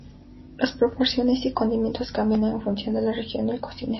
Las proporciones y condimentos cambian en función de la región y el cocinero.